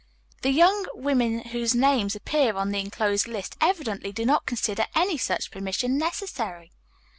The young women whose names appear on the enclosed list evidently do not consider any such permission necessary.